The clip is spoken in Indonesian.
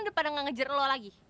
udah pada ngejar lo lagi